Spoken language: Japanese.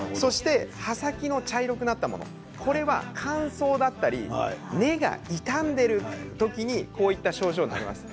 葉先が茶色くなったもの乾燥だったり根が傷んでいる時にこういった症状になります。